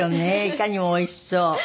いかにもおいしそう。